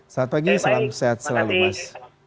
selamat pagi salam sehat selalu mas